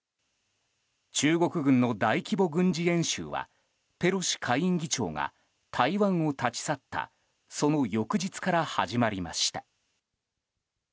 中国軍の大規模軍事演習はペロシ下院議長が台湾を立ち去ったその翌日から始まりました。